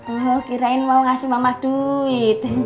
oh kirain mau ngasih mama duit